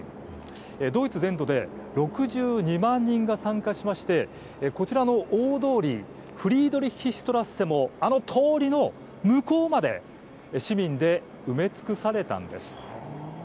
ドイツ全土で６２万人が参加しましてこちらの大通り通りの向こうまで市民で埋め尽くされたんです。